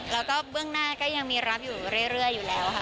แล้วก็เบื้องหน้าก็ยังมีรับอยู่เรื่อยอยู่แล้วค่ะ